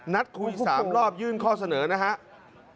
นัดคุย๓รอบยื่นข้อเสนอนะครับ